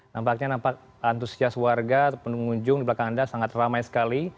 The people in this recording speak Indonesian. nampaknya nampak antusias warga atau pengunjung di belakang anda sangat ramai sekali